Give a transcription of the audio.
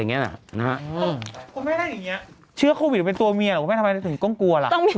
คุณแม่น่าจะอย่างนี้เชื่อโควิดเป็นตัวเมียหรอคุณแม่น่าจะต้องกลัวหรอ